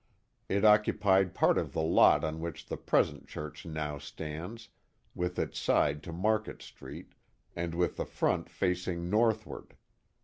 It oc cupied part of the lot on which the present church now stands, with its side to Market Street, and with front facing north ward.